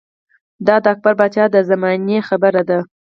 دا د اکبر باچا د زمانې خبره ده